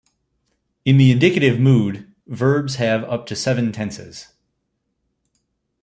In the indicative mood, verbs have up to seven tenses.